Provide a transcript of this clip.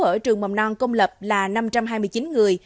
ở trường mầm non công lập là năm trăm hai mươi chín người